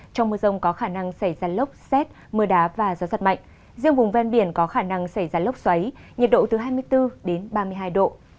trong mưa rông có khả năng xảy ra lốc xét mưa đá và gió giật mạnh riêng vùng ven biển có khả năng xảy ra lốc xoáy nhiệt độ từ hai mươi bốn đến ba mươi hai độ